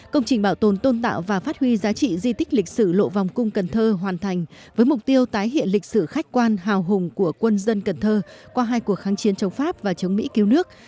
công trình bảo tồn tôn tạo và phát huy giá trị di tích lịch sử lộ vòng cung cần thơ hoàn thành với mục tiêu tái hiện lịch sử khách quan hào hùng của quân dân cần thơ qua hai cuộc kháng chiến chống pháp và chống mỹ cứu nước